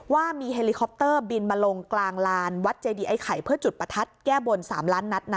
ว่ามีเฮลิคอปเตอร์บินมาลงกลางลานวัดเจดีไอ้ไข่เพื่อจุดประทัดแก้บน๓ล้านนัดนะ